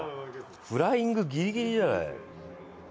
フライング、ギリギリじゃない。